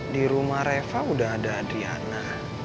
di rumah reva udah ada adriana